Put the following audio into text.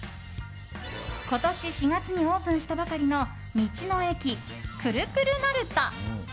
今年４月にオープンしたばかりの道の駅、くるくるなると。